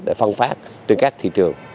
để phân phát trên các thị trường